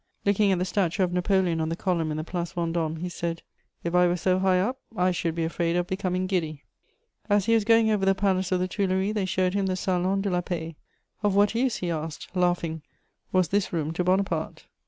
Looking at the statue of Napoleon on the column in the Place Vendôme, he said: "If I were so high up, I should be afraid of becoming giddy." As he was going over the Palace of the Tuileries, they showed him the Salon de la Paix: "Of what use," he asked, laughing, "was this room to Bonaparte?"